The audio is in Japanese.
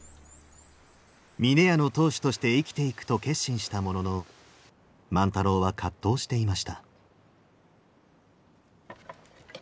峰屋の当主として生きていくと決心したものの万太郎は葛藤していました。